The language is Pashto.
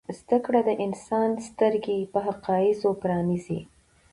زده کړه د انسان سترګې پر حقایضو پرانیزي.